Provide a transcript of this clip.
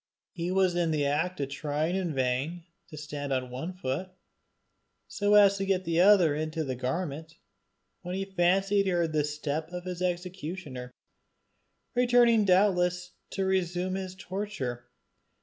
He was in the act of trying in vain to stand on one foot, so as to get the other into the garment, when he fancied he heard the step of his executioner, returning doubtless to resume his torture.